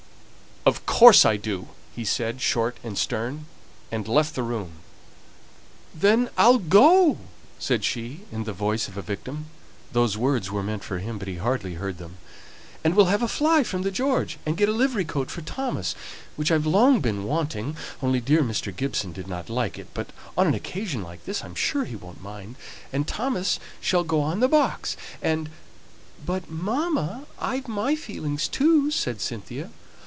"Of course I do!" he said, short and stern, and left the room. "Then I'll go!" said she, in the voice of a victim those words were meant for him, but he hardly heard them. "And we'll have a fly from the 'George,' and get a livery coat for Thomas, which I've long been wanting, only dear Mr. Gibson did not like it, but on an occasion like this I'm sure he won't mind; and Thomas shall go on the box, and " "But, mamma, I've my feelings too," said Cynthia.